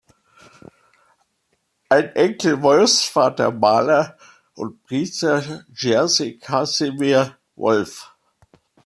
Ein Enkel Wolffs war der Maler und Priester Jerzy Kazimierz Wolff.